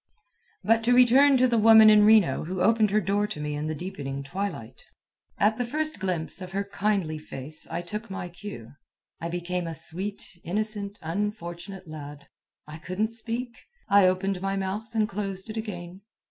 But to return to the woman in Reno who opened her door to me in the deepening twilight. At the first glimpse of her kindly face I took my cue. I became a sweet, innocent, unfortunate lad. I couldn't speak. I opened my mouth and closed it again.